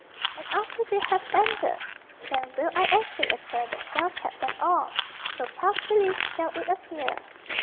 And after they have ended, then will I essay a tale that shall cap them all, so past belief shall it appear."